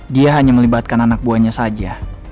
dia hanya melibatkan anak buahnya saja